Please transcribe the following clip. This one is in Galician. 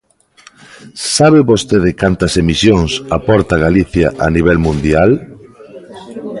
¿Sabe vostede cantas emisións aporta Galicia a nivel mundial?